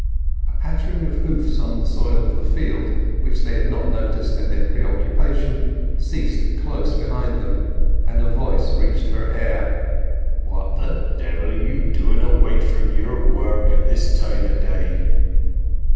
A pattering of hoofs on the soil of the field, which they had not noticed in their preoccupation, ceased close behind them; and a voice reached her ear: "What the devil are you doing away from your work at this time o' day?"